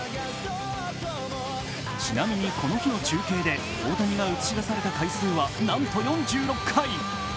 ちなみに、この日の中継で大谷が映し出された回数はなんと４６回。